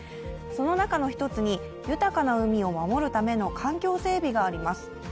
その中の一つに豊かな海を守るための環境整備があります。